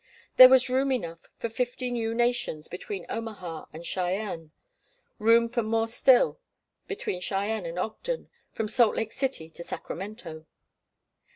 There was room enough for fifty new nations between Omaha and Cheyenne, room for more still between Cheyenne and Ogden, from Salt Lake City to Sacramento.